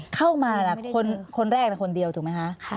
เข้ามาคนแรกคนเดียวถูกไหมคะ